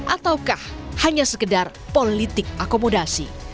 ataukah hanya sekedar politik akomodasi